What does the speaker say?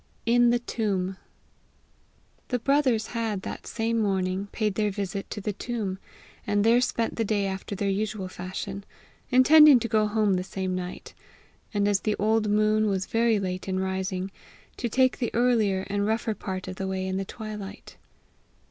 IN THE TOMB. The brothers had that same morning paid their visit to the tomb, and there spent the day after their usual fashion, intending to go home the same night, and as the old moon was very late in rising, to take the earlier and rougher part of the way in the twilight.